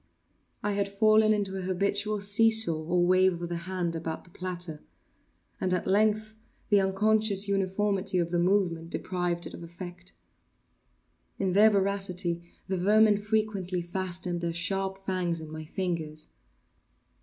I had fallen into an habitual see saw, or wave of the hand about the platter; and, at length, the unconscious uniformity of the movement deprived it of effect. In their voracity the vermin frequently fastened their sharp fangs in my fingers.